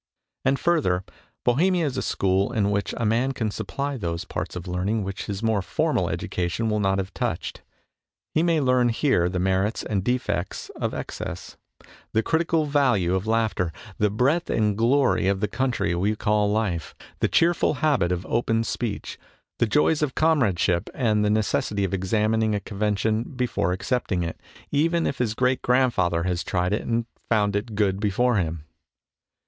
And further, Bohemia is a school in which a man can supply those parts of learning which his more formal education will not have touched. He may learn here the merits and defects of excess, the critical value of 30 MONOLOGUES laughter, the breadth and glory of the country we call life, the cheerful habit of open speech, the joys of comradeship and the necessity of examining a convention before accepting it, even if his great grand father has tried it and found it good before him.